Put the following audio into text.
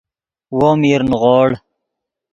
وو میر نیغوڑ